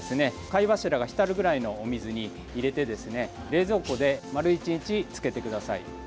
貝柱が浸るぐらいのお水に入れてですね冷蔵庫で丸一日つけてください。